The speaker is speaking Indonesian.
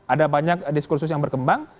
ada banyak diskursus yang berkembang